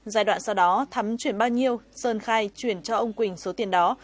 giai đoạn sau đó thắm chuyển bao nhiêu sơn khai chuyển cho ông quỳnh số tiền đó